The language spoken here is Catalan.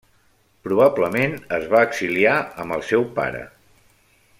Probablement es va exiliar amb el seu pare.